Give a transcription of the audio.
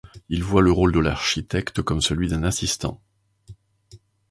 Il voit le rôle de l'architecte comme celui d'un assistant.